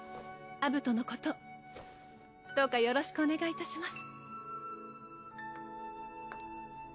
アブトのことどうかよろしくお願いいたします。